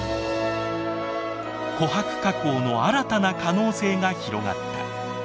琥珀加工の新たな可能性が広がった。